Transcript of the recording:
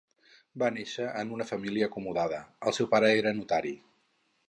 Va néixer en una família acomodada, el seu pare era notari.